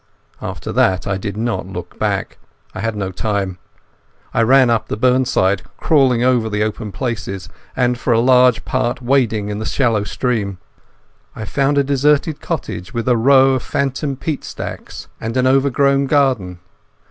After that I did not look back; I had no time. I ran up the burnside, crawling over the open places, and for a large part wading in the shallow stream. I found a deserted cottage with a row of phantom peat stacks and an overgrown garden.